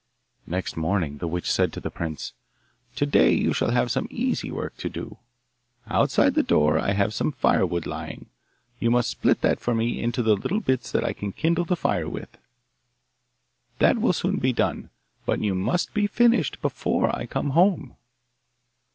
Next morning the witch said to the prince, 'To day you shall have some easy work to do. Outside the door I have some firewood lying; you must split that for me into little bits that I can kindle the fire with. That will soon be done, but you must be finished before I come home.